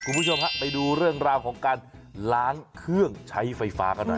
คุณผู้ชมฮะไปดูเรื่องราวของการล้างเครื่องใช้ไฟฟ้ากันหน่อย